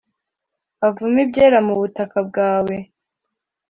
avume ibyera mu butaka bwawe,